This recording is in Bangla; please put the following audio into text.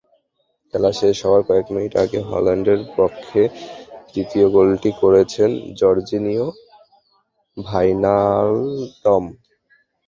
খেলা শেষ হওয়ার কয়েক মিনিট আগে হল্যান্ডের পক্ষে তৃতীয় গোলটি করেছেন জর্জিনিয়ো ভাইনালডম।